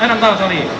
eh enam tahun sorry